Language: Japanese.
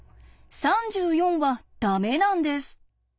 ３４はダメなんです。